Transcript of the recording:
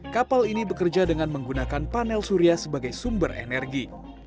kapal ini bekerja dengan menggunakan panel surya sebagai sumber energi